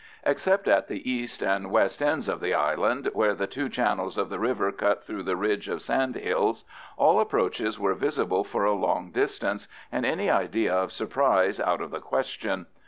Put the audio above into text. Except at the east and west ends of the island, where the two channels of the river cut through the ridge of sand hills, all approaches were visible for a long distance, and any idea of surprise out of the question.